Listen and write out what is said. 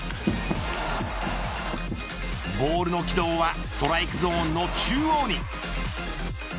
ボールの軌道はストライクゾーンの中央に。